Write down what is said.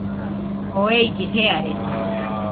Oo ellɨ jearede